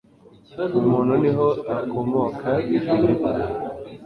Mu muntu niho hakomoka ibibi